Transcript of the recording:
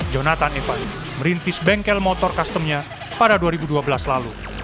jonathan eva merintis bengkel motor customnya pada dua ribu dua belas lalu